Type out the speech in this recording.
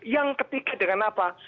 yang ketiga dengan apa